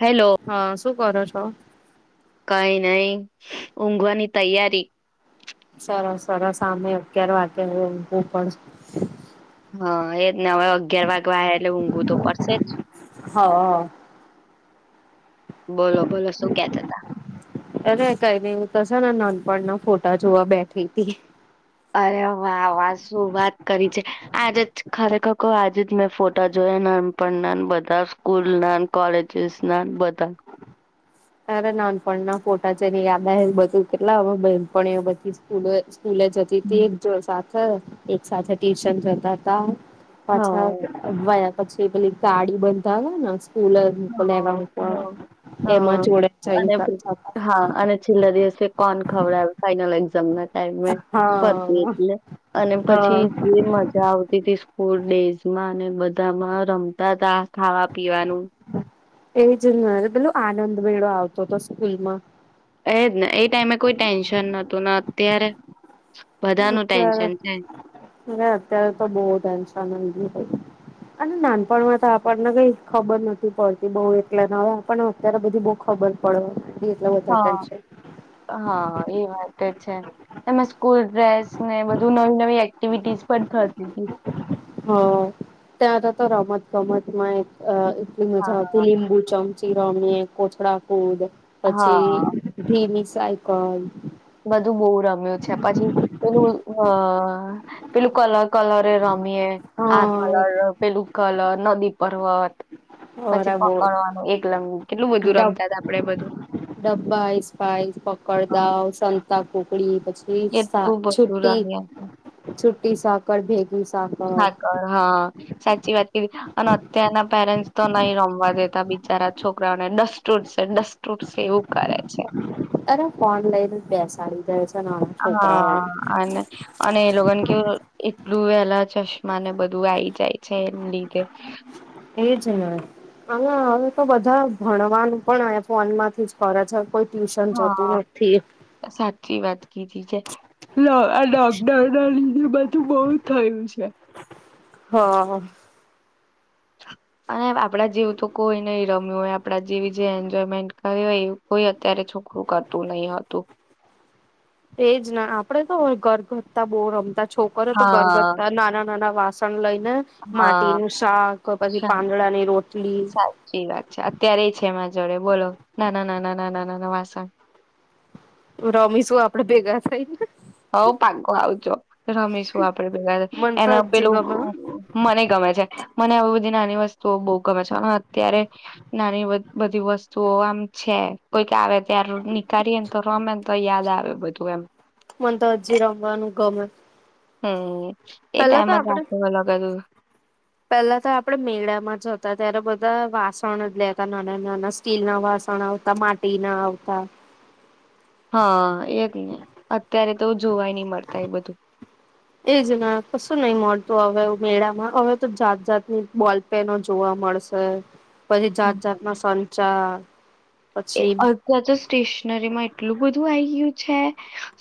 Hello. હા શું કરો છો? કઈ નહી ઊંઘવાની તૈયારી સરસ સરસ સામે અગ્યારે વા હું પણ હા એ નવા અગિયાર વાગ વા એટલે ઊંઘું તો પડશે જ. હા. બોલો બોલો શું કે તા. અરે કઈ નને એવું થશે ને નાનપણના ફોટા જોવા બેઠી હતી. અરે વાહ વા શું વાત કરી છે આજે જ ખરેખર આજે જ મેં ફોટા જોયા નાનપણ ના બધા સ્કૂલ ના કોલેજસ ના બધા. ત્યારે નાનપણ ના ફોટાચ યાદ આવે બધું કેટલા હ બેનપ બધી સ્કૂલો સ્કૂલે જ હતી તે હમ. એક જો સા હા એક સાથે ટ્યુશન થતા હતા. પાછા હા અગ અગ્વય પછી પેલી ગાળી બનતા હોય ન સ્કૂલ લેવા હા મુક હા, હા. એમાંજ અને હા અને છેલ્લા દિવસે કોણ ખબર ફાઈનલ એક્ઝામ ના ટ પતી હા. એટલે અને હા પછી જે મજા આવતી હતી સ્કૂલ ડેઝમાં અને બધામાં રમતા તા. ખાવા પીવાનું. એ જ ન પેલું આનંદ ભાઈડો આવતો હતો સ્કૂલમાં. એજને એ ટાઈમે કોઈ ટેન્શન નોતું ન ત્યારે અત્યારે મે અત્યારે તો બો ટેન્શની હોય. અને નાનપણમાં તો આપણને કઈ ખબર નથી પડતી બઉ એલે હવે આપણને અત્યારે બધી બહ ખબર પડે એટલે બધા હા ટેન્શન હા એ વાત છે તમે સ્કૂલ ડ્રેસ ને બધું નવી નવી એક્ટિવિટીઝ પણ થતી હતી. હ તે આ તો રમત ગમત માહિત અ એટલી હા મજા આવતી લીંબુ ચમચી રમીએ કોથડા કૂદ પછી હા ધીમી સાઇકલ. બધું બહુ રમ્યું છે પછી પેલું અ પેલું કલર કલર રંગ રમીએ આ હા કલર પેલું કલર નદી પ. [unintelligible] [unintelligible] કેટલું બધું રમતા હતા આપડે બધું ડબ્બાઈ આઈસ્પાઈસ હા પકડાવો કોકડી કેટલું બધું રમ્યા [unintelligible] છુટી સાકળ ભેગ હા કર હા સાચી વાત કીધી અને અત્યારના પેરેન્ટ્સ તો નહી રમવા દેતા બિચારા છોકરાઓને ડસ્ટ ઉઠશે ડસ્ટ ઉઠશે એવું કરે છે અરે ઓનલાઈન પેસા આવી છે નાના છોકરાઓને હા અને એ લોકોને કેવું બ્લુવેલા ચશ્મા ને બધું આવીઈ જાય છે એમ લીધે એજ ને હ હવે તો બધા ભણવાનું પણ ફોન માંથી જ ખર છે કોઈ ટ્યુશન જતું હા નથી સાચી વાત કીધી છે આ લોકડાઉન ના લીધે બધું બ થયું છે હા અને આપડા જેવ તો કોઈ નહ રમ્યું હોય આપણા જેવી જે એન્જોયમેન્ટ કર હોય એ કોઈ અત્યારે છોકરું કરતું નહી હતું એજ ના આપડે તો ઘર ઘટતા બહુ રમતા. છોકરીયો તો ઘર હા ઘટતા નાના નાના વાસણ લઈ ને હા માટીનું શાક પછી પાંદડા ની રોટ સાચી વાત છે, અત્યારેય છે માં જોડે બોલો નાના-નાના, નાના-નાના વાસણ રમીશું આપડે ભેગા થઈને. હઉ! પાકું આવજો રમીશું આપડે ભેગા મન તો એના હજી પેલું ગમે મને ગમે છે. મને આવી બધી નાની વસ્તુઓ બો ગમે છે અને અત્યારે નાની બધી વસ્તુઓ આમ છે કોઈક આવે તારે રોજ નીકાળીએ તો રમે ને તો યાદ આવે બધું એમ. જી રમવાનું ગમે. હમ એ પેલા ટાઈમમાં આપડે તો બધુ અલગ હતું. પેલા તો આપણેે મેળામાં જતા ત્યારે બધા વાસણ જ લેતા નાના-નાના સ્ટીલ ના વાસણ આવતા, માટી ના આવતા હા એ ટી ને અત્યારે તો જોવાયની મળતા એ બધું. એજ ને કશું નહી મળતું હવે મેળામાં, હવે તો જાત-જાતની બોલપેનો જોવા મળશે. પછી જાત-જાત ના સંચા એ પછી અધ કો ચો સ્ટેશનરી માં એટલું બધું આઈ યું છે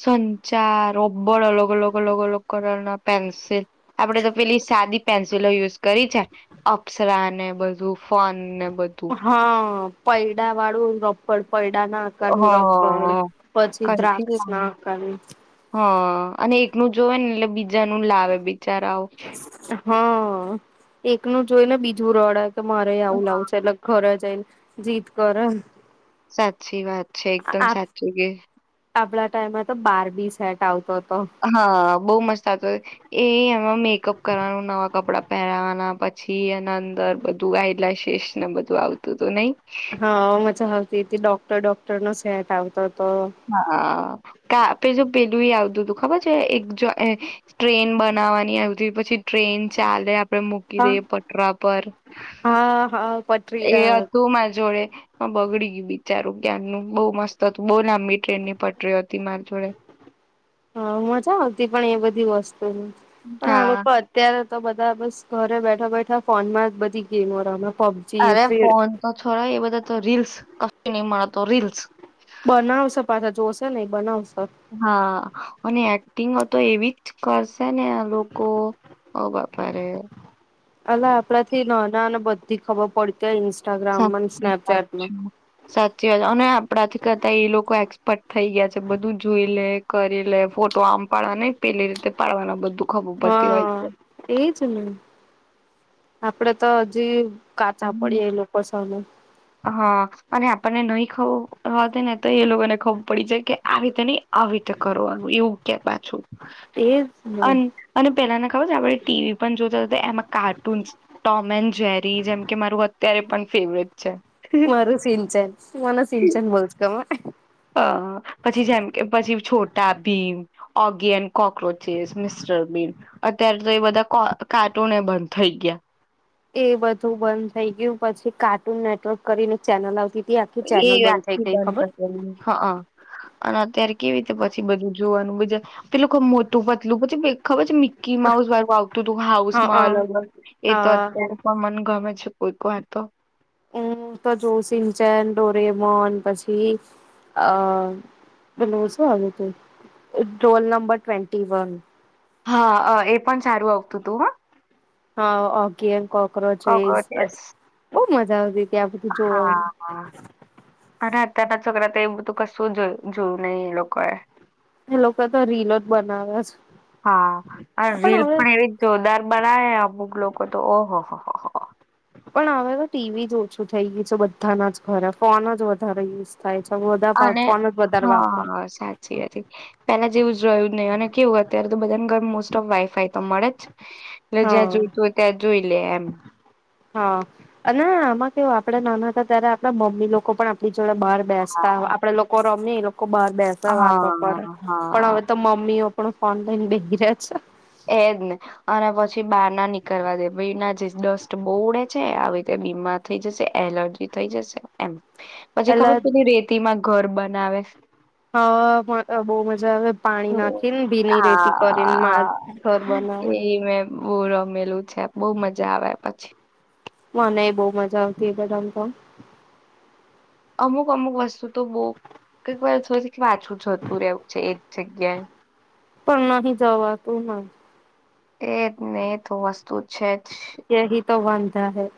સંચાર, રબર અલગ-અલગ, અલગ-અલગ કલર ના પેન્સિલ આપડે તો પેલી સાદી પેન્સિલો યુઝ કરી છે. અપ્સરા ને બધુ ફનને હા! પૈડા વાળુ રબ પણ પૈડા ના આકારનું રબ્બર હા પછી કંઈથી દ્રાક્ષ ના લાવે આકારનું. નું જોવે ને એટલે બી જાનું લાવે બિચારાઓ. હા! એકનું જોઈ ને બીજું રડે. તો મારેય આવું લાવું છે, એટલે ધરેજ તેન જીદ કરે ન સાચી વાત. છે. એકદમ સાચું કે આપડા ટાઈમમાં તો બારબી સેટ આવતો. હતો. હા! બઉ મસ્ત આવતો એ અમે કપ કરવાનું, નવા કપડાં પહેરાવાના, પછી એના અંદર બધું આઈલાઈસીસ ને બધું આવતું તું નઈ. હા, મજા આવતી તી ડોક્ટર ડોક્ટરનો સેટ આવતો હતો. હા, કા પે જો પેદું એ આવતું તું ખબર છે, એક જો એહ ટ્રેન બનાવાની આવ તે પછી ટ્રેન ચાલે આપડે મૂકી હા દઈએ પટરા પર હા હા પટરી એ હતું માર જો જોડે પ બગડી ગ્યું બિચારું ક્યાંનું બઉ મસ્ત હતું, બઉ લાંબી ટ્રેનની પટરી હતી માર જોડે. હા, મજા આવતી, પણ એ બધી વસ્ત તો હું પણ આ હા, લોકો અત્યારે તો બધા બસ ઘરે બેઠા બેઠા ફોનમાં જ બધી ગેમો રમ અરે! ફોન તો છોરો એ બધો તો રીલ્સ અહ કીની મારતો રીલ્સ બનાવશે પાછા જોશે નઈ બનાવશ હા, અને એક્ટિંગમાં તો એવી જ કર્શ સેને આ લોકો ઓ બાપા રે અ લા આપડાથી નોનાન બધી ખબર પડતેય નિશ સાચી વાત છે, સાચી વાત અને આપડાથી કરતા એ લોકો એક્સ થઈ ગ્યા છે, બધું જોઈ લે કરી લે ફોટો આમ પાડવા નઈ પેલી રીતે પાડવાના બધું. ખબર પડતી હોય હા, છે. એજ ને. આપડે તો હજી કાચા હમ. પડીયે એ લોકો સામે. હા, અને આપણને નઈ ખઉ હું આવતી ને તોય એ લોકો ને ખૂબ પડી જાય કે આવી તે નય આવીતે કરવાનું એવું ક્યા પાછું. એજ ને અન અને પેલાને ખબર છે આપડે ટી વી પણ જોતા એમાં કાર્ટૂનસ ટોમ એન્ડ જેરી જેમકે મારું વ ત્યારે પણ ફેવરેટ. છે. મારુ સિંચન મને સિંચન બોજ ગમે. [inaudible] અ પછી જેમ કે પછી છોડ ટાબીન, ઓગિયન, કોક્રોચિસ, મિસ્ટરબીન અત્યારે તો એ બધા કો કાર્ટૂને બંધ થઈ ગયા. એ બધું બંધ થઈ ગયું પછી કાર્ટૂન નેટવર્ક કરીને ચેનલ આવતી. હતી આખી એ ચેનલ યાદ બંધ થઈ થી ગઈ બંધ ખબર કર દેવી. હા અ. અન અત્યારે કેવી રીતે પછી બધું જોવાનું. વ જા તે લોકો મોટું પતલું પછી ખબર છે મી કી માઉસ વાળુ આવતું તું હાઉસ માં હા અલગ અલ એક હા [unintelligible] પણ મને ગમે છ કોઈ કો વાર તો. હું તો જોવુ સીન ચેન, ડોરેમોન પછી અ પેલું શું આવતું તું રોલ નંબર ટ્વેન્ટી વન. હા અ એ પણ સારું આવ તું તું હ. હા ઓગી એન કોક ક્રોચેઈસ કોક્રોચેસ પછ મજા આવતી. હતી આ બધું હા જોવાની હ અને અત્યાર ત છોકરા તે એ બધુ કશું જો જોયું નહી એ લોકોએ. એ લોકો તો રીલો જ બનાવે છે હા રીલ પણ એવી જોરદાર બનાવે અમુક લોકો તો ઓહો હો. હો હો. પણ હવે તો ટી વી જ ઓછું થઈ ગયું છે બધાના જ ઘરે ફોન જ વધારે યુઝ થાય. છે બધા અને ફોન જ હ વધારે અ વાપરે સાચી [unintelligible] તને જેવું જ રહ્યું નહી અને કેવું અત્યાર તો બધાન ઘર મોસ્ટ ઓફ વાઇફય તો મળે જ એટલે જ્યાં હા જોઈતું હોય ત્યાં જોઈ લે એમ. હા અને આમાં કેવ આપડે નાના હતા ત્યારે આપણા મમ્મી લોકો પણ આપણી જોડે બહાર બેસતા હા આપડે લોકો ર ને લોક કો બાર બેહતા વાતો હા કરે પણ હા હવે તો મમ્મીઓ પણ ઓનલાઈન બિઝી રે છે. એજ ને અને પછી બહાર ના નીકળવા દે ભઈ ના જઇસ ડસ્ટ બહુ ઉડે છે, આવી રીતે બીમાર થઈ જશે, એલર્જી થઈ જશે એમ. પછી એટલે ખબર પેલી રેતી માં ઘર બનાવે. હા મત બહુ મજા આવે. પાણી નાખીને ભીની રેતી હા કરીને ઘર હા એ બનાવવાનું મેં બવ રમેલું છે બઉ મજ જા આવે પછી મને એ બહુ મજા આવતી એ બધા મ તો અમુક અમુક વસ્તુ તો બહુ કંઈક વા ર સોચુ કે પાછું જતું રહેવું છે એ જ જગ્યાએ પણ નહી જવા તું ને એજ ને એ તો વસ્તુ જ છે જ એહી તો વાંધા હે [inaudible]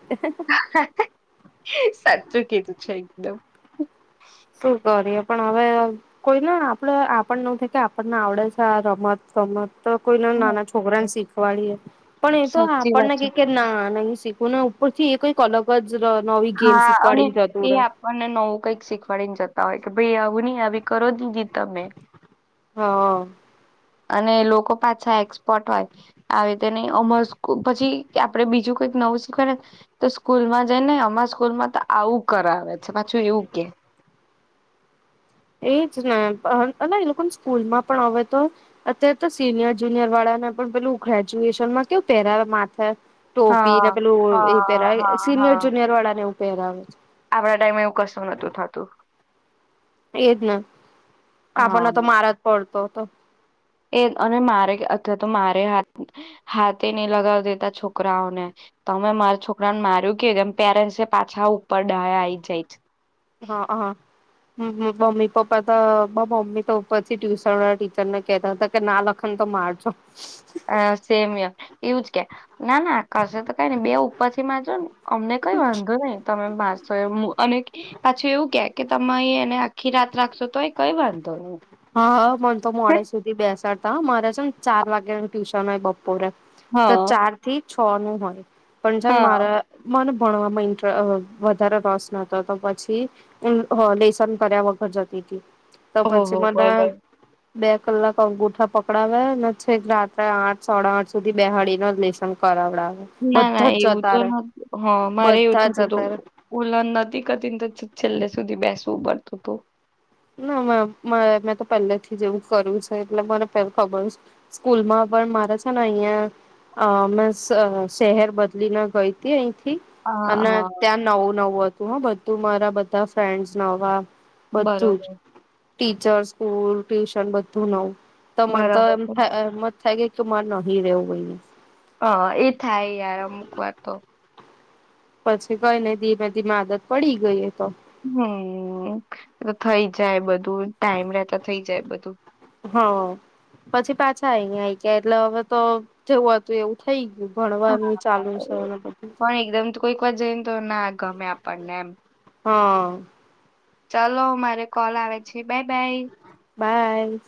સાચૂચો કેધું છે એકદમ. શું કરીએ પણ હવે કોઈ ના આપડે આપણ ન થ કે આપણને આવડે છે રમત રમત તો કોઈને હમ, નાના છોકરાને શીખવાડીએ પણ એ તો સાચી વાત આપણને છે ક કે ના નહી સીખ ના ઉપર થી એ કઈક અલગ જ નવી ગેમ હા અને શીખવાડીને જતું એ રે આપણને નવું કંઈક શીખવાડીને જતું. હોય કે ભાઈ આવું નહી આવી કરો દીધી તમે. હા. અને લોકો પાછા એક્સપર્ટ હોય આવીતે ન અમાર પછી આપડે બીજું કઈક નવું શીખવાને તો સ્કૂલમાં જાય ને અમાર સ્કૂલમાં તો આવું કરાવે છે પાછું એવું કે એજ ને એ લોકો સ્કૂલમાં પણ હવે તો અત્યારે તો સિનિયર જુનિયર વાળાને પણ પેલું ગ્રેજ્યુએશનમાં કેવું પહેરા માથે ટોપી ને હા પેલું એ હા પહેરાવે હા સિનિયર હા જુનિયર વાળા ને એવું પહેરાવે આપડા ટાઈમે એવું કસું નોતું થતું. એજ આપણને તો મારા જ પડ તો તો. એક અને મારે અથવા તો મારે હા હાથે નઈ લગાવ દેતા છોકરાઓને તમે મારા છોકરાને માર્યું કે કેમ પેરેન્ટ્સ એ પાછા ઉપર ડાહ આઈ જાય છે. હા હા હમ મમ્મી પપ્પા તો બ મમ્મી તો ઉપરથી ટ્યુશન વાળા ટીચર ને કેતા હતા કે ના લખન તો મારજો હ સેમ એવુંજ કે. ના ના આકાશ તો કઈ નઈ બે ઉપર થી. ચ. અમને કઈ વાંધો નહી તમે મારસો અને પાછું એવું ક્યાક કે તમે એને આખી રાત રાખશો તો એ કઈ વાંધો હું. હા મને તો મોડે સુધી બેસાડતા મારે છે ને. ચાર વાગ્યા ટ્યુશન હોય બ પોરક તો હા ચાર થી છ નું હોય પણ છાન હા મારા માર ભણવામાં ઇન્ટ વધારે રસ નતો તો પછી લેસન ભર્યા વગર જતી હતી તો પછ. હો બરા બર. બે કલાક અંગૂઠા પકડાવે અને છેક રાત્રે આઠ સોડા આઠ સુધી બેહાડીી ન લેસન કરાવે. ના ના એવું તો નથી હ મારે એવું બધા થતું હત જતા રે વલન નથી કરતી. છેલ્લે સુધી બેસવું પડતું હતું. ના મે મેં તો પહેલેથી જ એવું કર્યું છે એટલે મને ખબર છે સ્કૂલમાં પણ મારે છે ને અહિયાંયા મે શહેર બદલીને ગઈ હતી અ. હા અને હા ત્યા નવ નવ. તું હા બધું મારા બધા ફ્રેન્ડ નવા. બધું જ બરોબર ટીચર સ્કૂલ ટ્યુશન બધું નવું ત મને તો બરાબર એમ છે થાય થ કે એક મનહી રવઈ ને હ એ થાય યાર અમુક વાર તો પછી કઈ નને ધીમે ધીમે આદત પડી ગઈ તો હમ એ થઇ જાય બધું ટાઈમ રહેતા થઇ જાય બધું હ પછી પાછા આવીઈ આ ગયા એટલે હવે તો જેવું હતું એવું થઈ ગયું ભણવાનું ચાલુ છે અને બધું પણ એકદમ કોઈક વાર જઈને તો ના ગમે આપણને એમ હા ચલોો મારે કોલ આવે છે બાય બાય બાય